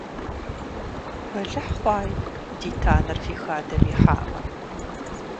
Бэлыхь хъуаи ди танэр фи хадэм ихьамэ!